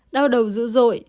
đau đầu dữ dội